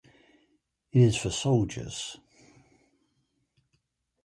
'It is for soldiers.